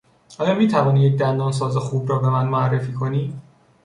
آیا میتوانی یک دندانساز خوب را به من معرفی کنی؟